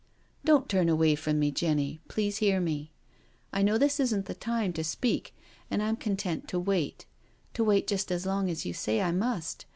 " Don't turn away from me, Jenny, please hear me. I know this isn't the time to speak, and I'm content to wait — to wait just as long as you say I must.